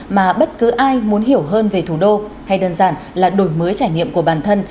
mà bất cứ ai muốn hiểu hơn về thủ đô hay đơn giản là đổi mới trải nghiệm của bản thân